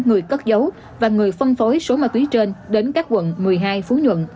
người cất giấu và người phân phối số ma túy trên đến các quận một mươi hai phú nhuận